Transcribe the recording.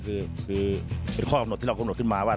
คือเป็นข้อกำหนดที่เรากำหนดขึ้นมาว่า